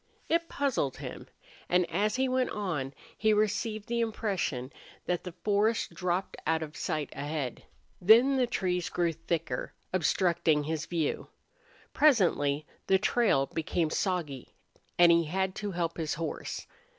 It puzzled him. And as he went on he received the impression that the forest dropped out of sight ahead. Then the trees grew thicker, obstructing his view. Presently the trail became soggy and he had to help his horse.